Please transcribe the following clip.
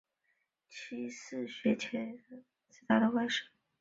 七世雪谦冉江仁波切是他的外孙。